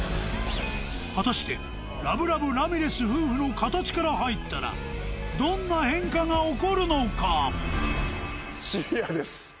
果たしてラブラブラミレス夫婦の形から入ったらどんな変化が起こるのか？